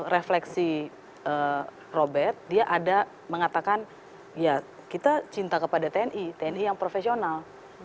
refleksi robert dia ada mengatakan ya kita cinta kepada tni tni yang profesional